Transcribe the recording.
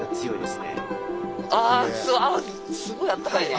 すごいあったかいね。